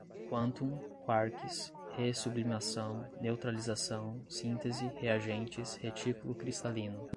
quantum, quarks, re-sublimação, neutralização, síntese, reagentes, retículo cristalino